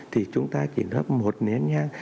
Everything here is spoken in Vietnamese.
thì chúng ta chỉ nắp một nén nhang